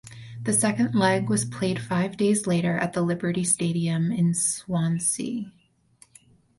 The second leg was played five days later at the Liberty Stadium in Swansea.